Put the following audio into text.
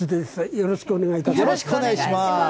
よろしくお願いします。